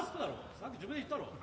さっき自分で言ったろう。